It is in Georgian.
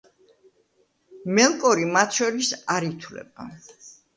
მელკორი მათ შორის არ ითვლება.